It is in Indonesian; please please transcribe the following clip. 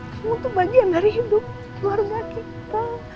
kamu itu bagian dari hidup keluarga kita